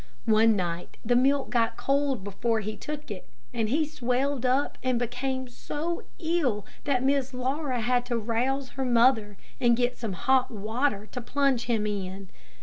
One night the milk got cold before he took it, and he swelled up and became so ill that Miss Laura had to rouse her mother and get some hot water to plunge him in.